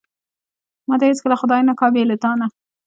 ما دې هیڅکله خدای نه کا بې له تانه.